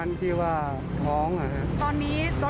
มันมีปัญหาอะไรบ้างไหม